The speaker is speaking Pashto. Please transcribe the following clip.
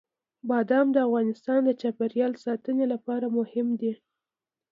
بادام د افغانستان د چاپیریال ساتنې لپاره مهم دي.